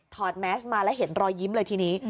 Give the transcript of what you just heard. แมสมาแล้วเห็นรอยยิ้มเลยทีนี้